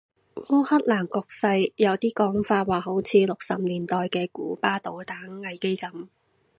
烏克蘭局勢有啲講法話好似六十年代嘅古巴導彈危機噉